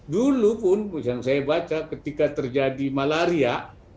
dulu pun yang saya baca ketika terjadi malaria